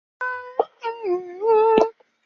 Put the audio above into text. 因此其真实元件中会有一些电感造成的特性。